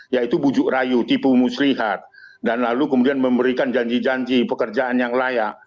yaitu bujuk rayu tipu muslihat dan lalu kemudian memberikan janji janji pekerjaan yang layak